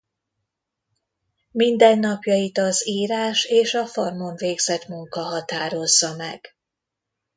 Mindennapjait az írás és a farmon végzett munka határozza meg.